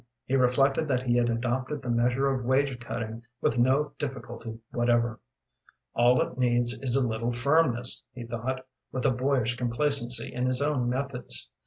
He reflected that he had adopted the measure of wage cutting with no difficulty whatever. "All it needs is a little firmness," he thought, with a boyish complacency in his own methods.